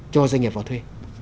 cho doanh nghiệp vào thuê